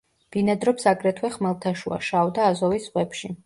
ბინადრობს აგრეთვე ხმელთაშუა, შავ და აზოვის ზღვებში.